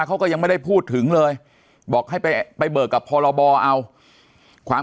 เขาก็ยังไม่ได้พูดถึงเลยบอกให้ไปไปเบิกกับพรบเอาความ